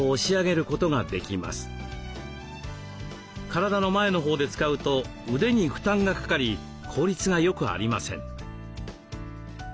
体の前のほうで使うと腕に負担がかかり効率がよくありません。